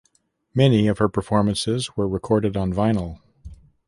Many of her performances were recorded on vinyl.